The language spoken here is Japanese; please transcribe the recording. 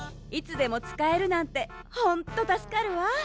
いつでもつかえるなんてほんとたすかるわ。